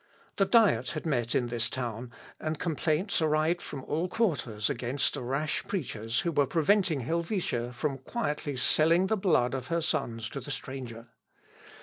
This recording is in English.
The Diet had met in this town, and complaints arrived from all quarters against the rash preachers who were preventing Helvetia from quietly selling the blood of her sons to the stranger.